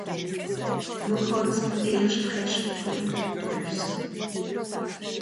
No kànn's mìr erscht rächt gfàlle do hüsse